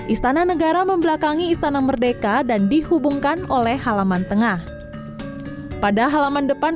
istana negara membelakangi istana merdeka dan dihubungkan oleh halaman tengah pada halaman depan